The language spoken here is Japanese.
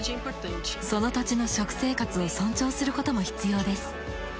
その土地の食生活を尊重することも必要です。